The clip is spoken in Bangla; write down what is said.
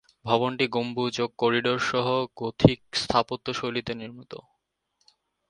ভবনটি গম্বুজ ও করিডোর সহ গথিক স্থাপত্যশৈলীতে নির্মিত।